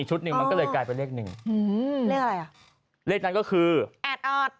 หนึ่งมันก็เลยกลายเป็นเลขหนึ่งอืมเลขอะไรอ่ะเลขนั้นก็คือแอดออด